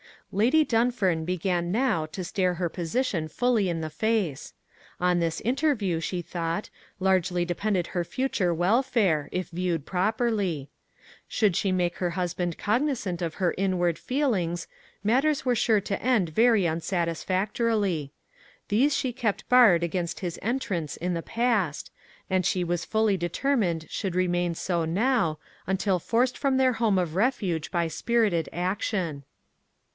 Lady Dunfern began now to stare her position fully in the face. On this interview, she thought, largely depended her future welfare, if viewed properly. Should she make her husband cognisant of her inward feelings, matters were sure to end very unsatisfactorily. These she kept barred against his entrance in the past, and she was fully determined should remain so now, until forced from their home of refuge by spirited action.